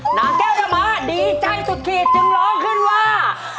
นางแก้วธรรมะดีใจสุดขีดจึงร้องขึ้นว่า